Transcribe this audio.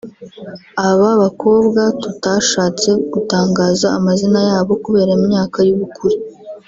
Aba bakobwa tutashatse gutangaza amazina yabo kubera imyaka y’ubukure